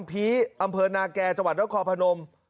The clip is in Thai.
พีอำเภอนาแก่จังหวัดนครพนม